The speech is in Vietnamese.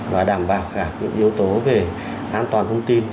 và đảm bảo cả những yếu tố về an toàn thông tin